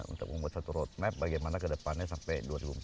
untuk membuat satu road map bagaimana kedepannya sampai dua ribu empat puluh satu